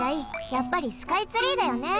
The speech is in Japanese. やっぱりスカイツリーだよね。